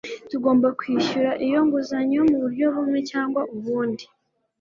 Tugomba kwishyura iyo nguzanyo muburyo bumwe cyangwa ubundi